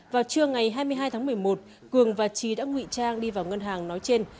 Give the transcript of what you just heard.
vào trưa ngày hai mươi hai tháng một mươi một cường và trí đã ngụy trang đi vào ngân hàng nói trên